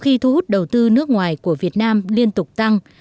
khi thu hút đầu tư nước ngoài của việt nam liên tục tăng